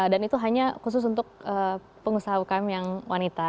dan itu hanya khusus untuk pengusaha ukm yang wanita